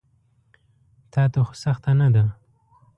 تاته خو سخته نه ده.